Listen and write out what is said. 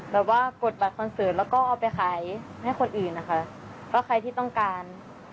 แบบว่ากดบัตรคอนเสิร์ตแล้วก็เอาไปขายให้คนอื่นนะคะก็ใครที่ต้องการ